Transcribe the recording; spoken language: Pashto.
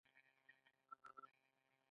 آیا پښتونولي یو پټ اساسي قانون نه دی؟